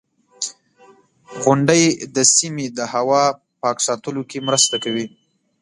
• غونډۍ د سیمې د هوا پاک ساتلو کې مرسته کوي.